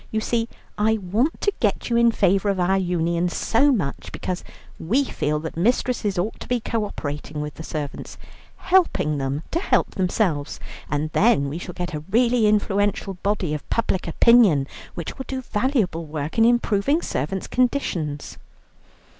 You see, I want to get you in favour of our Union so much, because we feel that mistresses ought to be co operating with the servants, helping them to help themselves, and then we shall get a really influential body of public opinion, which will do valuable work in improving servants' conditions."